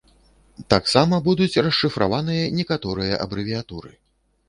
Таксама будуць расшыфраваныя некаторыя абрэвіятуры.